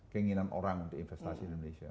keinginan orang untuk investasi di indonesia